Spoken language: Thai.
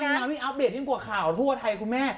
ก๊างน้ำอุปเดตยิ่งกว่าข่าวทั่วไทยคุณแม่